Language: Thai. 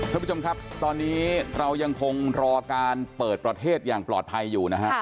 ท่านผู้ชมครับตอนนี้เรายังคงรอการเปิดประเทศอย่างปลอดภัยอยู่นะฮะ